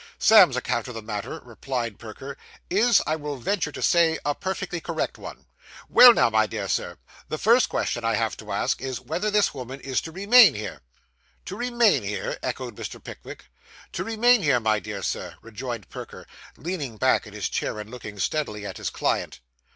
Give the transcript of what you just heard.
'Sam's account of the matter,' replied Perker, 'is, I will venture to say, a perfectly correct one. Well now, my dear Sir, the first question I have to ask, is, whether this woman is to remain here?' 'To remain here!' echoed Mr. Pickwick. 'To remain here, my dear Sir,' rejoined Perker, leaning back in his chair and looking steadily at his client.